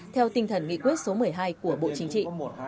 theo tinh thần nghị quyết số một mươi hai của bộ chính trị